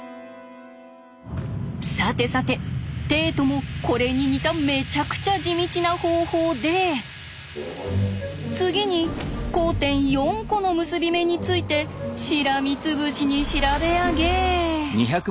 さてさてテイトもこれに似ためちゃくちゃ地道な方法で次に交点４コの結び目についてしらみつぶしに調べ上げ。